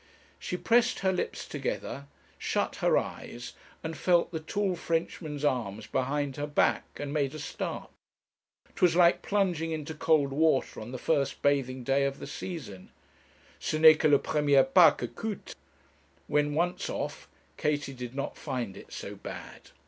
She pressed her lips together, shut her eyes, and felt the tall Frenchman's arms behind her back, and made a start. 'Twas like plunging into cold water on the first bathing day of the season 'ce n'est que le premier pas que coute.' When once off Katie did not find it so bad.